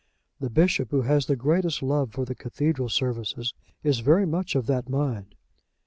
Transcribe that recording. The bishop, who has the greatest love for the cathedral services, is very much of that mind."